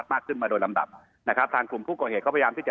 ซึ่งตอนนี้